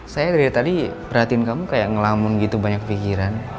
saya dari tadi perhatiin kamu kayak ngelamun gitu banyak pikiran